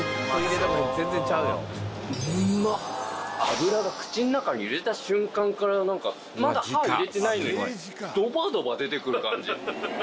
脂が口の中に入れた瞬間からまだ歯を入れてないのにドバドバ出て来る感じ。